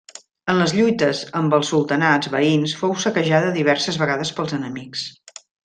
En les lluites amb els sultanats veïns fou saquejada diverses vegades pels enemics.